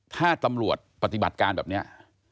ถ้าตำรวจปฏิบัติการแบบนี้